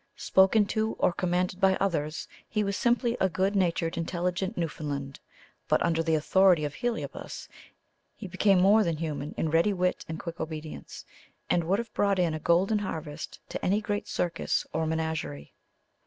Spoken to or commanded by others, he was simply a good natured intelligent Newfoundland; but under the authority of Heliobas, he became more than human in ready wit and quick obedience, and would have brought in a golden harvest to any great circus or menagerie.